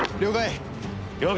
了解！